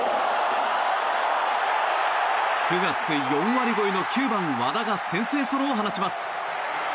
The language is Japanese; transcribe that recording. ９月、４割超えの９番、和田が先制ソロを放ちます。